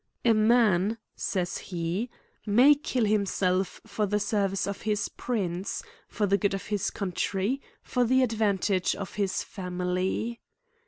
" A man says he, may kill himself for the service of his prince ; for the good of his coun try ; for the advantage of his family.